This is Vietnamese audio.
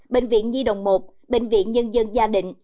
bệnh viện nhi đồng một bệnh viện nhân dân gia đình